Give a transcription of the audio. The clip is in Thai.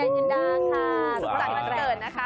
คนใหญ่จินดาค่ะ